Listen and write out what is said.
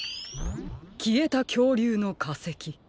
きえたきょうりゅうのかせき。